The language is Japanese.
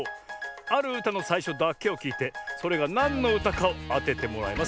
あるうたのさいしょだけをきいてそれがなんのうたかをあててもらいます。